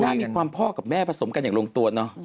หน้ามีความพ่อกับแม่ผสมกันอย่างลงตัวเนอะ